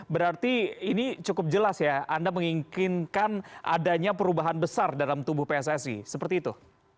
berarti ini cukup jelas ya anda menginginkan adanya perubahan besar dalam tubuh pssi seperti itu